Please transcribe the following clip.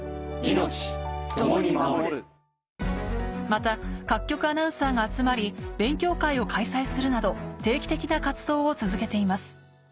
また各局アナウンサーが集まり勉強会を開催するなど定期的な活動を続けています